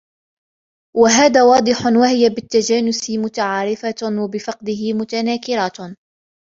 وَهَذَا وَاضِحٌ وَهِيَ بِالتَّجَانُسِ مُتَعَارِفَةٌ ، وَبِفَقْدِهِ مُتَنَاكِرَةٌ